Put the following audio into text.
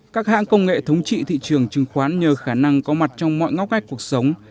các hãng công nghệ thống trị thị trường chứng khoán nhờ khả năng có mặt trong mọi ngóc ngách cuộc sống